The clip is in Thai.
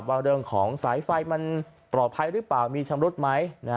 ว่าเรื่องของสายไฟมันปลอดภัยหรือเปล่ามีชำรุดไหม